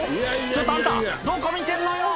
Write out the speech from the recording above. ちょっとあんたどこ見てんのよ！